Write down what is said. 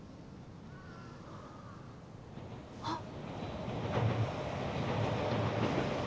あっ！